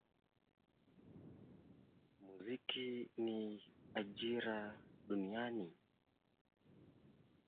Pasillo is a genre of indigenous Latin music.